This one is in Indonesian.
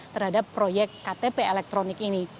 terhadap proyek ktp elektronik ini